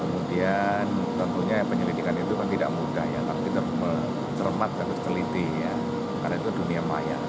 kemudian tentunya penyelidikan itu tidak mudah tapi terkemat dan terkeliti karena itu dunia maya